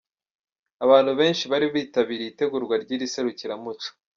Abantu benshi bari bitabiriye itegurwa ry'iri Serukiramuco.